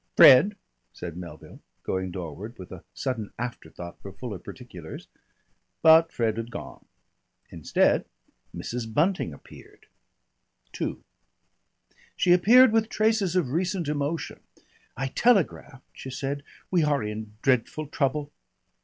"Fred!" said Melville, going doorward with a sudden afterthought for fuller particulars. But Fred had gone. Instead, Mrs. Bunting appeared. II She appeared with traces of recent emotion. "I telegraphed," she said. "We are in dreadful trouble."